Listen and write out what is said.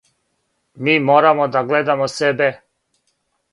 Ми морамо да гледамо себе.